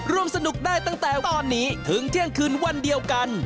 ร่วมสนุกได้ตั้งแต่ตอนนี้ถึงเที่ยงคืนวันเดียวกัน